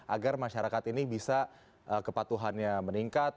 agar masyarakat ini bisa kepatuhannya meningkat